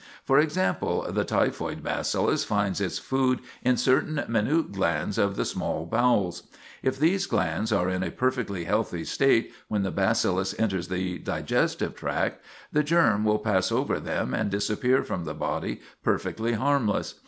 For example, the typhoid bacillus finds its food in certain minute glands of the small bowels. If these glands are in a perfectly healthy state when the bacillus enters the digestive tract, the germ will pass over them and disappear from the body perfectly harmless.